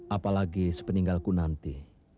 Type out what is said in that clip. apalagi sepeninggalku nanti